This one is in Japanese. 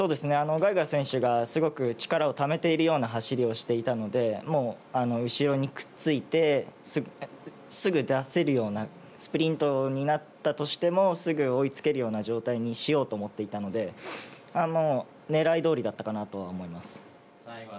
ガイガー選手がすごく力をためているような走りをしていたので、もう後ろにくっついて、すぐ出せるような、スプリントになったとしても、すぐ追いつけるような状態にしようと思っていたので、もう、ねらいどおりだったかなとは思います。